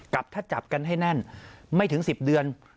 กลับทัดจับกันให้แน่นไม่ถึง๑๐เดือน